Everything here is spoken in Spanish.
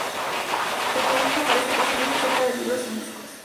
Regularmente aparecen reseñas acerca de libros y discos.